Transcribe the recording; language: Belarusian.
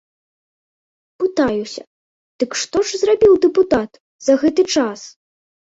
Пытаюся, дык што ж зрабіў дэпутат за гэты час?